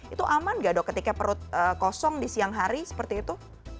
itu aman gak dok ketika perut kosong di siang hari seperti itu